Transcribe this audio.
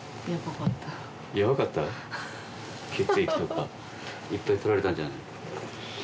血液とかいっぱい採られたんじゃない？